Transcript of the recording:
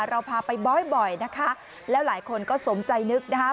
เราพาไปบ่อยบ่อยนะคะแล้วหลายคนก็สมใจนึกนะคะ